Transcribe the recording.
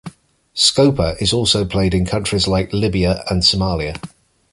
Scopa is also played in countries like Libya and Somalia.